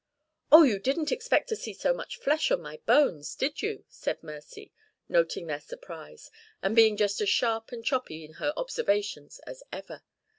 "Oh, you didn't expect to see so much flesh on my bones; did you?" said Mercy, noting their surprise, and being just as sharp and choppy in her observations as ever.